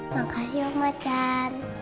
makasih om macan